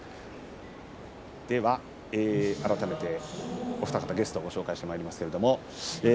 では改めてお二方ゲストをご紹介します。